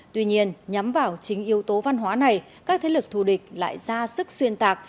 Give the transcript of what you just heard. tuy nhiên nhắm vào chính yếu tố văn hóa này các thế lực thù địch lại ra sức xuyên tạc